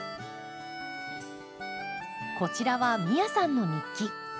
こちらは美耶さんの日記。